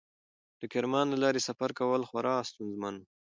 د کرمان له لارې سفر کول خورا ستونزمن و.